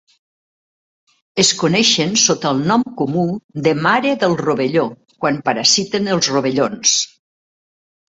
Es coneixen sota el nom comú de mare del rovelló quan parasiten els rovellons.